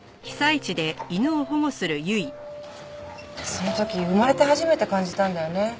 その時生まれて初めて感じたんだよね。